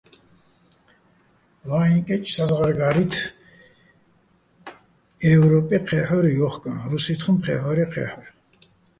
ვაჲჼ კეჭ საზღვარგა́რი́თ, ე́ვროპე ჴე́ჰ̦ორ ჲოხკაჼ, რუსი́თ ხუმ ჴე́ჰ̦ორე́ ჴე́ჰ̦ორ.